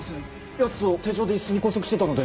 ヤツを手錠で椅子に拘束してたので。